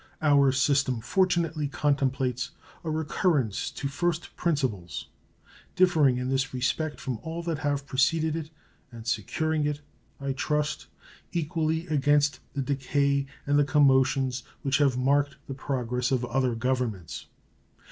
Our system fortunately contemplates a recurrence to first principles, differing in this respect from all that have preceded it, and securing it, I trust, equally against the decay and the commotions which have marked the progress of other governments.